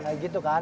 kayak gitu kan